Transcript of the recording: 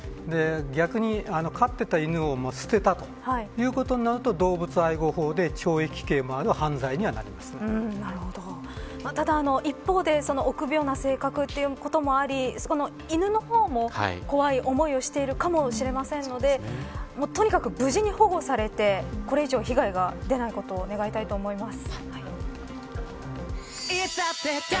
逆に飼っていた犬を捨てたということになると、動物愛護法でただ一方で臆病な性格ということもあり犬の方も怖い思いをしているかもしれませんのでとにかく無事に保護されてこれ以上、被害が出ないことを願いたいと思います。